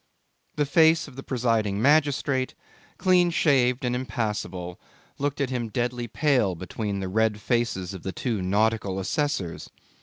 The face of the presiding magistrate, clean shaved and impassible, looked at him deadly pale between the red faces of the two nautical assessors.